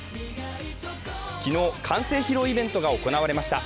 昨日、完成披露イベントが行われました。